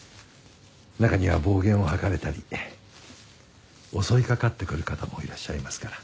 中には暴言を吐かれたり襲いかかってくる方もいらっしゃいますから。